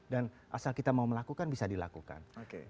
dan asal kita mau melakukan bisa dilakukan